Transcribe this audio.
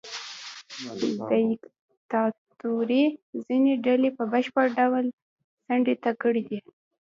دیکتاتورۍ ځینې ډلې په بشپړ ډول څنډې ته کړې دي.